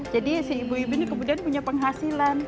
jadi si ibu ibu ini kemudian punya penghasilan